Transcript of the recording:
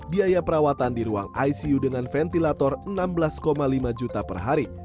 biaya perawatan di ruang icu dengan ventilator enam belas lima juta per hari